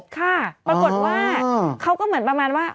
ค่ะปรากฏว่าเขาก็เหมือนประมาณว่า